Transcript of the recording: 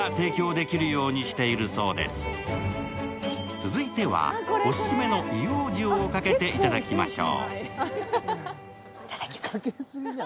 続いては、オススメの硫黄塩をかけていただきましょう。